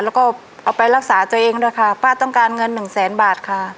แล้วก็เอาไปรักษาตัวเองด้วยค่ะป้าต้องการเงินหนึ่งแสนบาทค่ะ